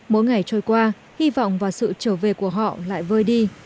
mỗi ngày trôi qua hy vọng vào sự trở về của bản